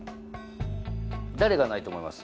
誰がないと思います？